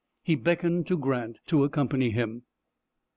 He beckoned to Grant to accompany him.